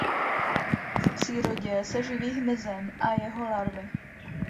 V přírodě se živí hmyzem a jeho larvy.